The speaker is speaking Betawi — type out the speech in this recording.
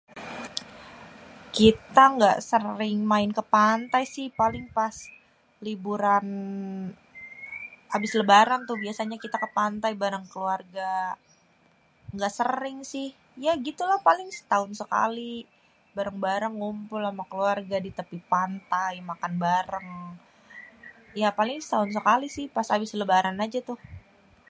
Kita gak sering main ke pantai si, paling pas liburan abis lebaran tuh biasanya kita ke pantai bareng keluarga, gak sering sih ya gitulah paling setahun sekal, bareng-bareng ngumpul ame keluarga di tepi pantai makan bareng. Ya paling setahun sekali si pas abis lebaran aja tuh.